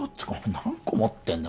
何個持ってんだ